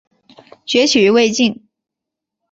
崛起于魏晋。